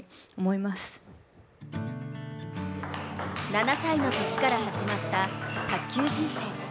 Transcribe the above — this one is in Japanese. ７歳のときから始まった卓球人生。